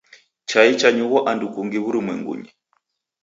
Chai chanyughwa andu kungi w'urumwengunyi.